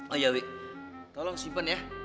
oh iya wik tolong simpen ya